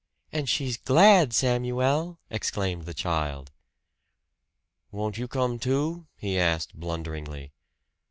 "And she's glad, Samuel!" exclaimed the child. "Won't you come, too?" he asked blunderingly.